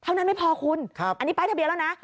เท่านั้นไม่พอคุณอันนี้ป้ายทะเบียนแล้วนะ